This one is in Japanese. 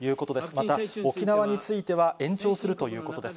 また、沖縄については延長するということです。